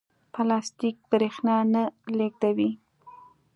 پلاستیک برېښنا نه لېږدوي.